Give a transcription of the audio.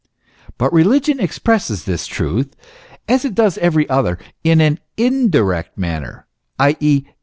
But religion expresses this truth, as it does every other, in an indirect man ner, i. e.